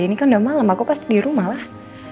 ini kan udah malem aku pasti dirumah lah